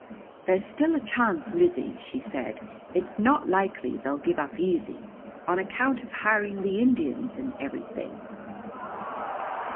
"There's still a chance, Lizzie," she said. "It's not likely they'll give up easy, on account of hiring the Indians and everything."